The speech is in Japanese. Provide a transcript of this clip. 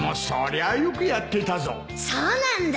そうなんだ。